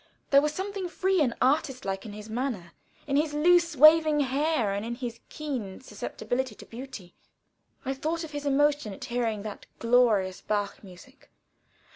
There was something free and artist like in his manner, in his loose waving hair and in his keen susceptibility to beauty. I thought of his emotion at hearing that glorious Bach music.